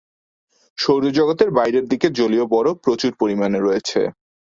সৌরজগতের বাইরের দিকে জলীয় বরফ প্রচুর পরিমাণে রয়েছে।